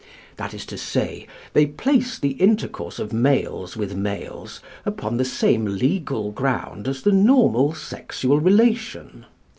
That is to say, they place the intercourse of males with males upon the same legal ground as the normal sexual relation.